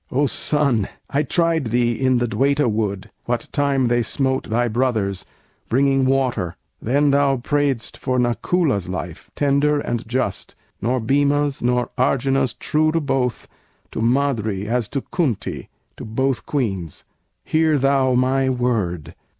O son! I tried thee in the Dwaita wood, what time They smote thy brothers, bringing water; then Thou prayedst for Nakula's life tender and just Nor Bhima's nor Arjuna's, true to both, To Madri as to Kunti, to both queens. Hear thou my word!